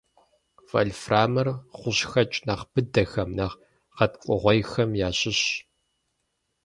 Вольфрамыр гъущӏхэкӏ нэхъ быдэхэм, нэхъ гъэткӏугъуейхэм ящыщщ.